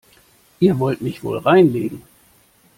Ihr wollt mich wohl reinlegen?